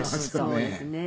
そうですね。